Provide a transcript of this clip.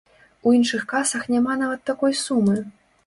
У іншых касах няма нават такой сумы.